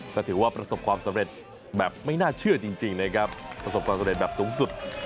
ก็ถือว่าประสบความสำเร็จแบบไม่น่าเชื่อจริงนะครับประสบความสำเร็จแบบสูงสุด